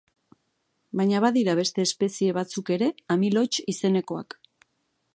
Baina badira beste espezie batzuk ere amilotx izenekoak.